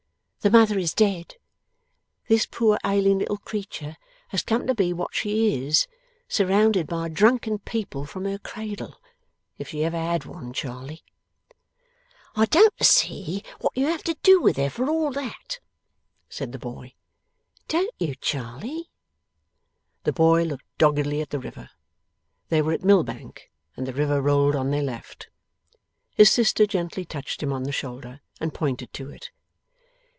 The mother is dead. This poor ailing little creature has come to be what she is, surrounded by drunken people from her cradle if she ever had one, Charley.' 'I don't see what you have to do with her, for all that,' said the boy. 'Don't you, Charley?' The boy looked doggedly at the river. They were at Millbank, and the river rolled on their left. His sister gently touched him on the shoulder, and pointed to it.